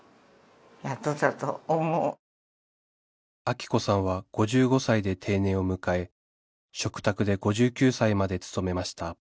アキ子さんは５５歳で定年を迎え嘱託で５９歳まで勤めました